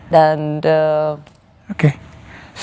dan terima kasih sekali lagi